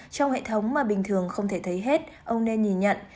trong hệ thống mà bình thường không thể thấy hết ông nên nhìn nhận